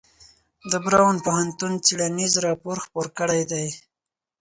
د براون پوهنتون څیړنیز راپور خپور کړی دی.